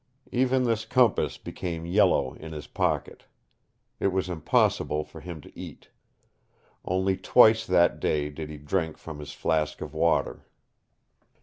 Even this compass became yellow in his pocket. It was impossible for him to eat. Only twice that day did he drink from his flask of water.